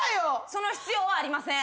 その必要はありません。